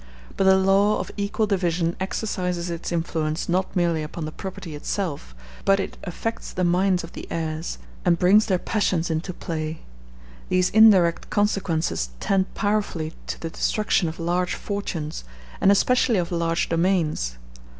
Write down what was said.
But the law of equal division exercises its influence not merely upon the property itself, but it affects the minds of the heirs, and brings their passions into play. These indirect consequences tend powerfully to the destruction of large fortunes, and especially of large domains.